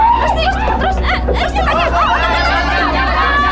jangan jangan jangan